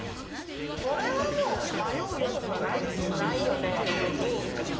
これは、もう迷う余地はないですよね。